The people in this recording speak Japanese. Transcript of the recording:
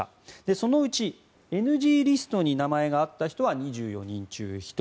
そのうち、ＮＧリストに名前があった人は２４人中１人。